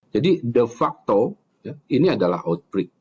jadi de facto ini adalah outbreak